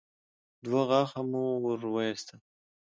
دوه غاښه مو ور وايستل.